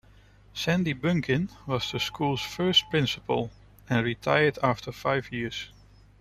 Sandy Bunkin was the school's first principal, and retired after five years.